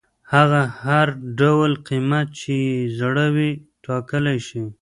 هغه هر ډول قیمت چې یې زړه وي ټاکلی شي.